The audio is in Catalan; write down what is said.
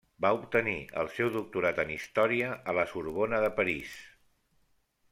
Va obtenir el seu doctorat en Història a la Sorbona de París.